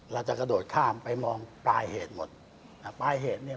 เราจะกระโดดข้ามไปมองปลายเหตุทั่วไป